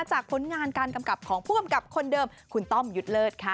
ผลงานการกำกับของผู้กำกับคนเดิมคุณต้อมยุทธ์เลิศค่ะ